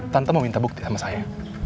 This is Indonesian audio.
tante mau minta bukti sama saya